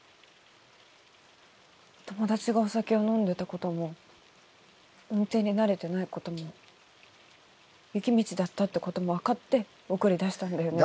友達がお酒を飲んでたことも運転に慣れてないことも雪道だったってことも分かって送り出したんだよね？